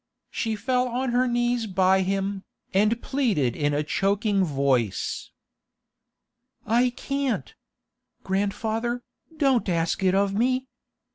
She fell on her knees by him, and pleaded in a choking voice. 'I can't! Grandfather, don't ask it of me!